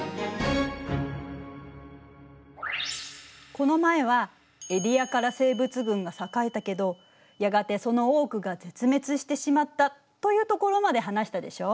この前はエディアカラ生物群が栄えたけどやがてその多くが絶滅してしまったというところまで話したでしょう？